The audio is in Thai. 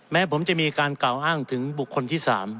แม้ผมจะมีการกล่าวอ้างถึงบุคคลที่๓